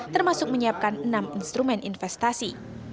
termasuk menyiapkan enam instrumen investasi